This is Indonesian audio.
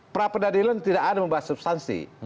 pra peradilan tidak ada membahas substansi